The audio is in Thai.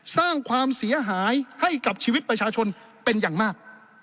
สร้างความเสียหายให้กับชีวิตประชาชนเป็นอย่างมาก